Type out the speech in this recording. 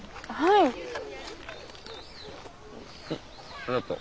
ありがとう。